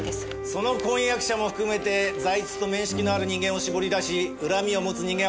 その婚約者も含めて財津と面識のある人間を絞り出し恨みを持つ人間を洗い出せ。